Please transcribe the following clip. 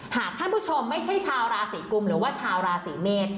หากท่านผู้ชมไม่ใช่ชาวราศีกุมหรือว่าชาวราศีเมษ